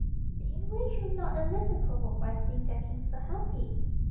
The English were not a little provoked by seeing their King so happy.